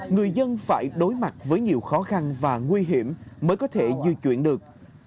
người dân phải đối mặt với nhiều khó khăn và nguy hiểm mới có thể di chuyển được